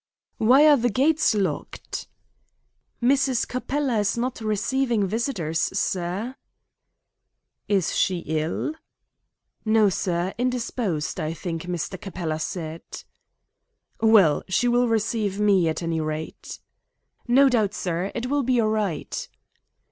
"Why are the gates locked?" "Mrs. Capella is not receiving visitors, sir." "Is she ill?" "No, sir. Indisposed, I think Mr. Capella said." "Well, she will receive me, at any rate." "No doubt, sir, it will be all right."